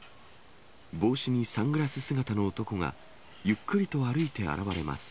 帽子にサングラス姿の男が、ゆっくりと歩いて現れます。